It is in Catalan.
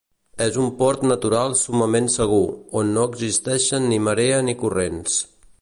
És un port natural summament segur, on no existeixen ni marea ni corrents.